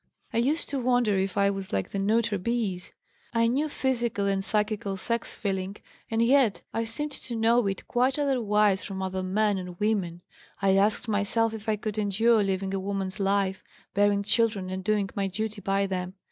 I used to wonder if I was like the neuter bees! I knew physical and psychical sex feeling and yet I seemed to know it quite otherwise from other men and women. I asked myself if I could endure living a woman's life, bearing children and doing my duty by them.